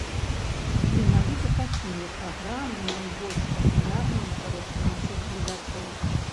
Менавіта такія праграмы найбольш папулярныя сярод нашых гледачоў.